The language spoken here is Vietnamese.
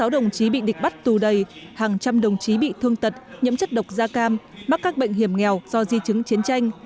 sáu đồng chí bị địch bắt tù đầy hàng trăm đồng chí bị thương tật nhiễm chất độc da cam mắc các bệnh hiểm nghèo do di chứng chiến tranh